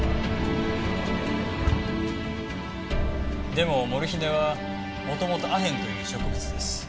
でもモルヒネは元々アヘンという植物です。